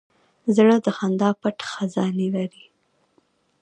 زړه د خندا پټ خزانې لري.